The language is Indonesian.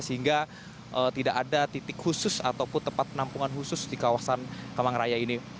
sehingga tidak ada titik khusus ataupun tempat penampungan khusus di kawasan kemang raya ini